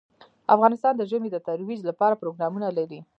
افغانستان د ژمی د ترویج لپاره پروګرامونه لري.